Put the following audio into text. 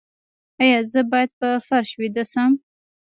ایا زه باید په فرش ویده شم؟